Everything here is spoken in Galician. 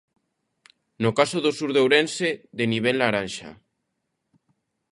No caso do sur de Ourense, de nivel laranxa.